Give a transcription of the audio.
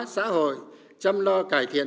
xã hội chăm lo cải thiện